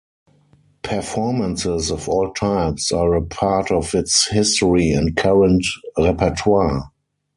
Performances of all types are a part of its history and current repertoire.